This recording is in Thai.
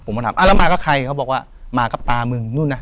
มาถามอ่าแล้วมากับใครเขาบอกว่ามากับตามึงนู่นน่ะ